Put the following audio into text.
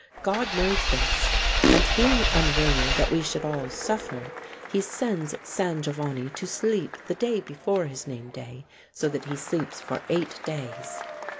God knows this, and, being unwilling that we should all suffer, he sends San Giovanni to sleep the day before his name day, so that he sleeps for eight days.